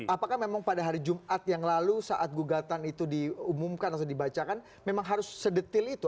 apakah memang pada hari jumat yang lalu saat gugatan itu diumumkan atau dibacakan memang harus sedetil itu